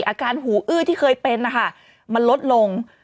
อาการหูอื้อที่เคยเป็นนะคะมันลดลง